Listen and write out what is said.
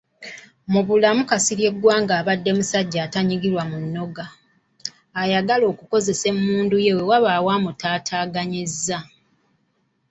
Mu bulamu Kasirye Gwanga abadde musajja atanyigirwa munnoga, ayagala okukozesa emmundu ye wewabaawo amutaataaganyizza.